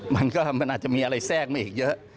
มันก็มันอาจจะมีอะไรแทรกมาอีกเยอะ